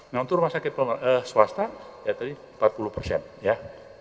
nah untuk rumah sakit swasta ya tadi empat puluh persen ya